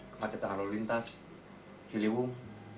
ke pacatan lalu lintas giliwung